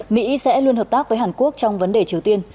mỹ sẽ luôn hợp tác với hàn quốc trong vấn đề triều tiên